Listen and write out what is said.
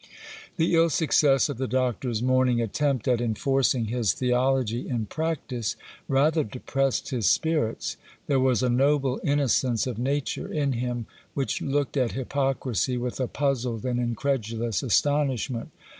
The ill success of the Doctor's morning attempt at enforcing his theology in practice rather depressed his spirits. There was a noble innocence of nature in him which looked at hypocrisy with a puzzled and incredulous astonishment.